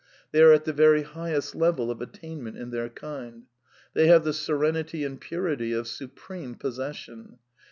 They are at the very highest level of at ^ tainment in their kind. They have the serenity and purityV^^^ of supreme possession.